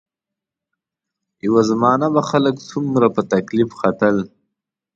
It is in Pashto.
یوه زمانه به خلک څومره په تکلیف ختل.